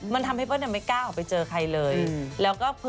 มันทำให้เปิ้ลไม่กล้าออกไปเจอใครเลย